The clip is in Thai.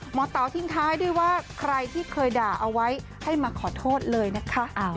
เต๋าทิ้งท้ายด้วยว่าใครที่เคยด่าเอาไว้ให้มาขอโทษเลยนะคะ